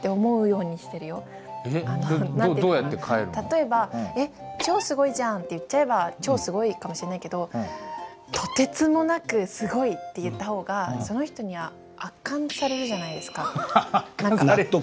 例えば「超すごいじゃん」って言っちゃえば超すごいかもしんないけど「とてつもなくすごい」って言った方がその人には圧巻されるじゃないですか。納得。